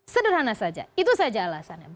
sederhana saja itu saja alasannya